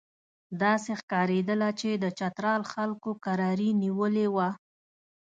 داسې ښکارېدله چې د چترال خلکو کراري نیولې وه.